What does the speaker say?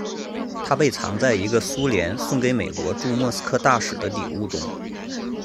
它被藏在一个苏联送给美国驻莫斯科大使的礼物中。